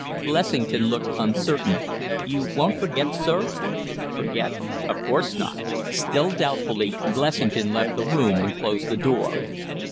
Blessington looked uncertain. "You won't forget, sir?" "Forget? Of course not." Still doubtfully, Blessington left the room and closed the door.